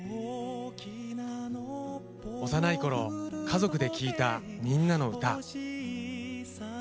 幼いころ家族で聴いた「みんなのうた」。